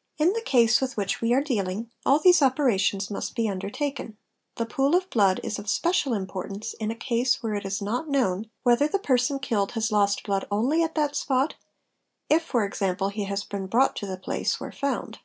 } In the case with which we are dealing all these operations must b REGISTRATION OF BLOOD MARKS 567 it is not known whether the person killed has lost blood only at that spot ; if, for example, he has been brought to the place where found.